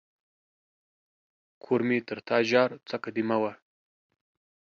کور مې تر تا جار ، څکه دي مه وه.